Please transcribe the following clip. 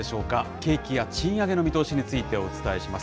景気や賃上げの見通しについてお伝えします。